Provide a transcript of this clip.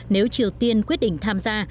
nếu triều tiên quyết định tham gia